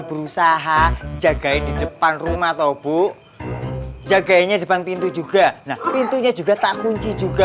berusaha jagain di depan rumah tobu jagainya depan pintu juga nah pintunya juga tak kunci juga